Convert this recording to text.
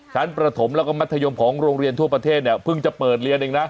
ประถมแล้วก็มัธยมของโรงเรียนทั่วประเทศเนี่ยเพิ่งจะเปิดเรียนเองนะ